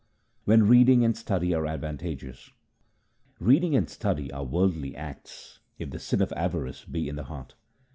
When reading and study are advantageous :— Reading and study are worldly acts if the sin of avarice be in the heart.